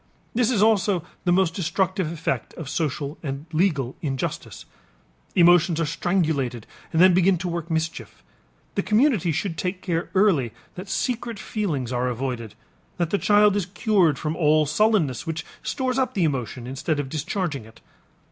This is also the most destructive effect of social and legal injustice; emotions are strangulated and then begin to work mischief. The community should take care early that secret feelings are avoided, that the child is cured from all sullenness which stores up the emotion instead of discharging it.